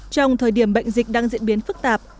trong thời điểm bệnh dịch đang diễn biến phức tạp